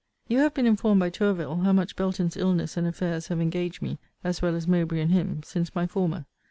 You have been informed by Tourville, how much Belton's illness and affairs have engaged me, as well as Mowbray and him, since my former.